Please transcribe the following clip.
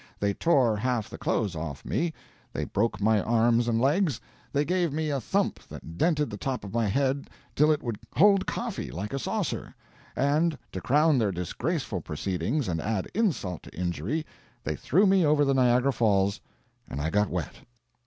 They tore half the clothes off me; they broke my arms and legs; they gave me a thump that dented the top of my head till it would hold coffee like a saucer; and, to crown their disgraceful proceedings and add insult to injury, they threw me over the Niagara Falls, and I got wet.